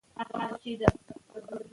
موږ باید یو موټی شو.